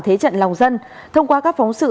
thế trận lòng dân thông qua các phóng sự